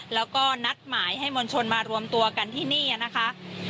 แล้วก็นัดหมายให้มวลชนมารวมตัวกันที่นี่นะคะ